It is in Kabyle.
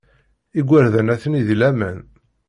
Igerdan atni deg laman.